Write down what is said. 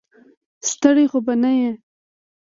ستړی خو به نه یې.